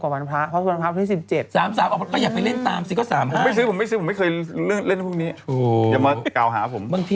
มาอีก๒ตัวตรง